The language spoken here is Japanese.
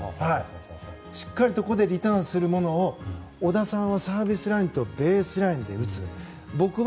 しっかりとここでリターンするものを小田さんはサービスラインとベースラインで打つ。